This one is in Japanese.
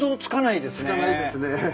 つかないですね。